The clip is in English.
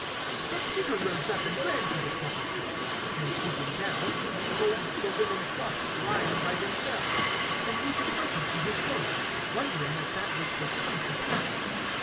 (12)But Peter rose up, and ran to the sepulchre; and stooping down, he beholds the linen cloths lying by themselves; and he departed to his home, wondering at that which was come to pass.